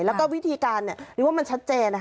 แล้วก็วิธีการเรียกว่ามันชัดเจน